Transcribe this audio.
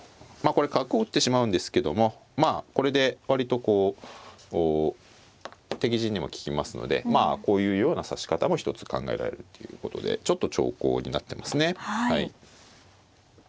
まあこれ角を打ってしまうんですけどもまあこれで割とこう敵陣にも利きますのでこういうような指し方も一つ考えられるっていうことでちょっと長考になってますね。